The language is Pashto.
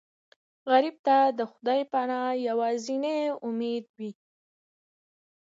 غریب ته د خدای پناه یوازینی امید وي